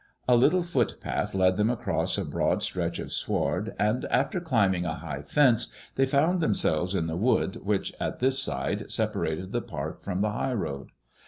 A little footpath led them across a broad stretch of sward, and after climb ing a high fence, they found themselves in the wood which at this side separated the park from the high road.